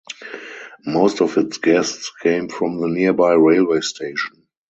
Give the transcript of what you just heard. Most of its guests came from the nearby railway station.